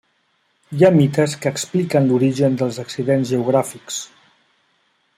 Hi ha mites que expliquen l'origen dels accidents geogràfics.